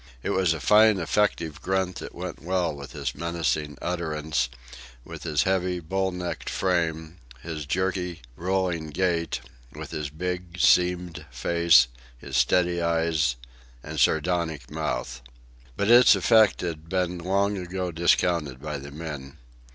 It was a fine, effective grunt that went well with his menacing utterance, with his heavy, bull necked frame, his jerky, rolling gait; with his big, seamed face, his steady eyes, and sardonic mouth. But its effect had been long ago discounted by the men.